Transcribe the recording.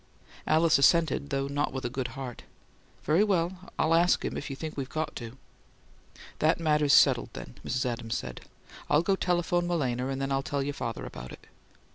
Alice assented, though not with a good heart. "Very well, I'll ask him, if you think we've got to." "That matter's settled then," Mrs. Adams said. "I'll go telephone Malena, and then I'll tell your father about it."